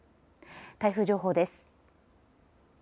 台風情報です。